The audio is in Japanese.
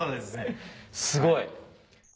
すごい。